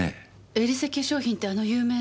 エリセ化粧品ってあの有名な？